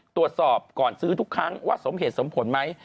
ตรวจสอบก่อนซื้อทุกครั้งว่าสมเหตุสมผลไหม